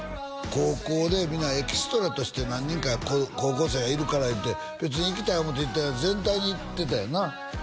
高校で皆エキストラとして何人か高校生がいるからいうて別に行きたい思って行ってない全体に行ってたんやな？